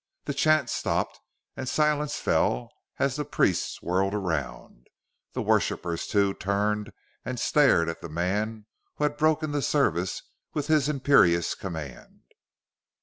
The chant stopped, and silence fell as the priests whirled around. The worshippers, too, turned and stared at the man who had broken the service with his imperious command.